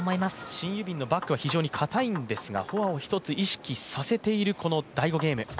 シン・ユビンのバックは非常にかたいんですがフォアを一つ意識させている第５ゲーム。